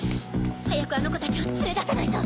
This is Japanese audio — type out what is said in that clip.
早くあの子たちを連れ出さないと！